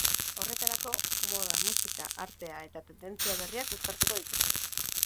Horretarako, moda, musika, artea eta tendentzia berriak uztartuko dituzte.